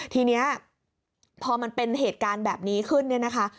ทีนี้พอมันเป็นเหตุการณ์แบบนี้ขึ้นเนี่ยนะคะ